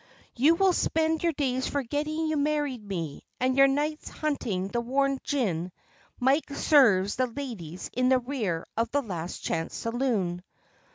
You will spend your days forgetting you married me and your nights hunting the warm gin Mike serves the ladies in the rear of the Last Chance Saloon.